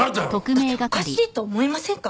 だっておかしいと思いませんか？